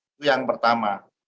itu yang pertama